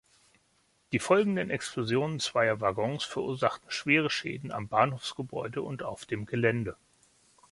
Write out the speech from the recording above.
Die folgenden Explosionen zweier Waggons verursachten schwere Schäden am Bahnhofsgebäude und auf dem Gelände.